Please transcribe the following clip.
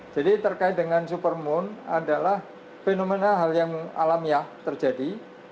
jadi terkait dengan supermoon adalah fenomena hal yang alamiah terjadi